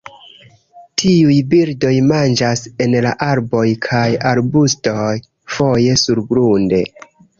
Tiuj birdoj manĝas en arboj kaj arbustoj, foje surgrunde.